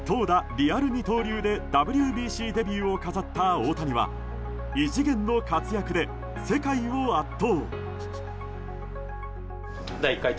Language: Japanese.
リアル二刀流でＷＢＣデビューを飾った大谷は異次元の活躍で世界を圧倒。